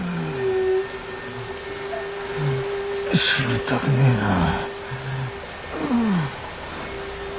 死にたくねぇなぁ。